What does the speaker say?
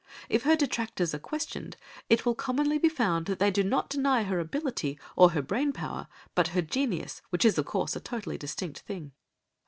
If her detractors are questioned, it will commonly be found that they do not deny her ability or her brain power, but her genius, which is of course a totally distinct thing.